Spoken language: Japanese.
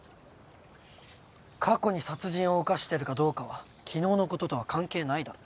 過去に殺人を犯してるかどうかは昨日のこととは関係ないだろ。